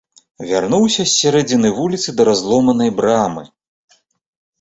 Вярнуўся з сярэдзіны вуліцы да разломанай брамы.